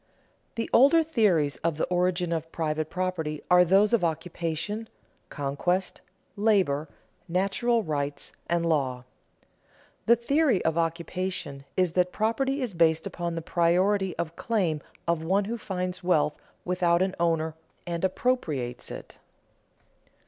The older theories of the origin of private property are those of occupation, conquest, labor, natural rights, and law. The theory of occupation is that property is based upon the priority of claim of one who finds wealth without an owner and appropriates it.